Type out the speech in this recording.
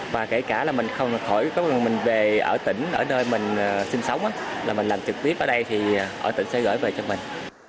và kể cả là mình không khỏi có quyền mình về ở tỉnh ở nơi mình sinh sống là mình làm trực tiếp ở đây thì ở tỉnh sẽ gửi về cho mình